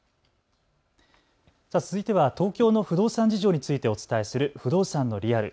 続いては東京の不動産事情についてお伝えする不動産のリアル。